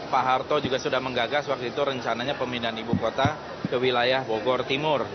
pak harto juga sudah menggagas waktu itu rencananya pemindahan ibu kota ke wilayah bogor timur